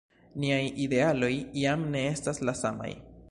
Niaj idealoj jam ne estas la samaj.